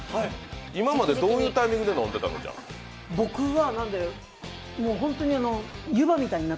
今までどういうタイミングで飲んでたの？